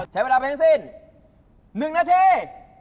ใช้เวลาไปทั้งสิ้น๑นาที